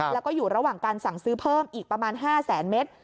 แล้วก็อยู่ระหว่างการสั่งซื้อเพิ่มอีกประมาณ๕แสนเมตร